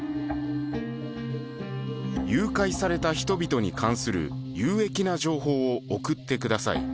誘拐された人々に関する有益な情報を送ってください。